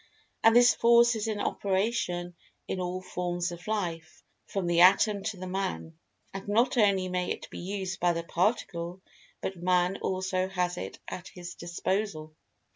And this Force is in operation in all forms of Life, from the Atom to the Man. And not only may it be used by the Particle, but Man, also, has it at his disposal.